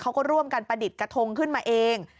เขาก็ร่วมกันประดิษฐ์กระทงขึ้นมาเอง